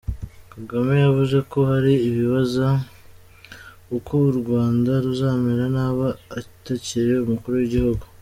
Kagame yavuze ko hari abibaza uko u Rwanda ruzamera ntaba atakiri umukuru w’Igihugu.